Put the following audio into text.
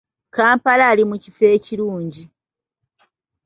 Kampala ali mu kifo ekirungi .